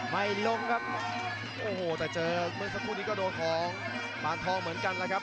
ไม่ล้มครับโอ้โหแต่เจอเมื่อสักครู่นี้ก็โดนของปานทองเหมือนกันแล้วครับ